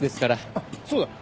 あっそうだ。